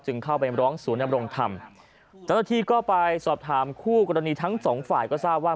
เข้าไปร้องศูนย์นำรงธรรมเจ้าหน้าที่ก็ไปสอบถามคู่กรณีทั้งสองฝ่ายก็ทราบว่า